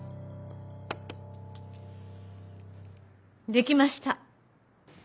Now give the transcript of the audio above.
できました。